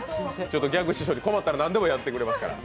ギャグ師匠、困ったら何でもやってくれるから。